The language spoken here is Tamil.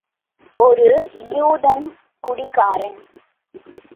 ஒரு யூதன் குடிகாரன்.